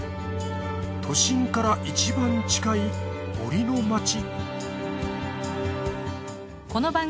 都心から一番近い森のまち